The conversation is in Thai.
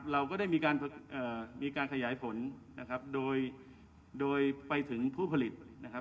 เราก็ได้มีการขยายผลโดยไปถึงผู้ผลิต